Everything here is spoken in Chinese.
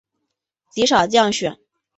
极少降雪。